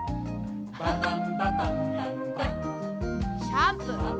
シャンプー。